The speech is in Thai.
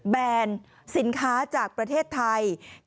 แนนสินค้าจากประเทศไทย